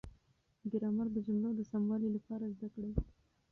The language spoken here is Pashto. ګرامر د جملو د سموالي لپاره زده کړئ.